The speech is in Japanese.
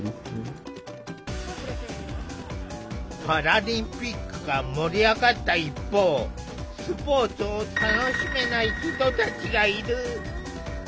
パラリンピックが盛り上がった一方スポーツを楽しめない人たちがいる。